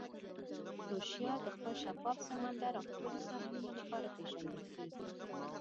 کروشیا د خپل شفاف سمندر او ښکلې ساحلونو لپاره پېژندل کیږي.